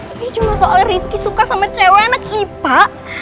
ini cuma soal rifki suka sama cewek anak ipa